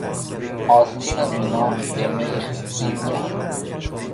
آستین مینا به میخ گیر کرد.